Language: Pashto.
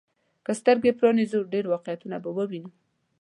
که سترګي پرانيزو، ډېر واقعيتونه به ووينو.